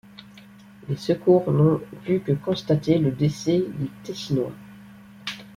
Les secours n'ont pu que constater le décès du Tessinois.